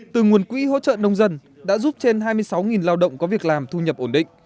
từ nguồn quỹ hỗ trợ nông dân đã giúp trên hai mươi sáu lao động có việc làm thu nhập ổn định